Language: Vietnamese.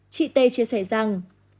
chị t chia sẻ rằng